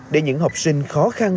để những học sinh khó khăn